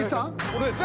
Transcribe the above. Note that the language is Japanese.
俺です。